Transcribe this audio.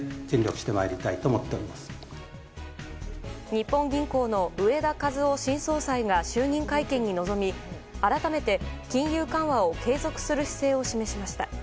日本銀行の植田和男新総裁が就任会見に臨み改めて金融緩和を継続する姿勢を示しました。